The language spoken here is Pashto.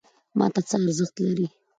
ماته څه ارزښت لري؟